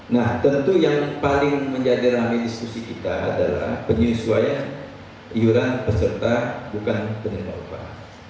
nah tentu yang paling menjadi rame diskusi kita adalah penyesuaian iuran peserta bukan penerima upah